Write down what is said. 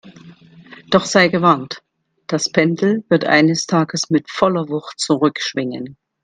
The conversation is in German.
Doch sei gewarnt, das Pendel wird eines Tages mit voller Wucht zurückschwingen!